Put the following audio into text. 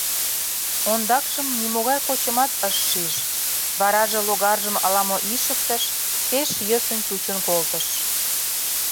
Ондакшым нимогай кочымат ыш шиж, вараже логаржым ала-мо ишыктыш, пеш йӧсын чучын колтыш.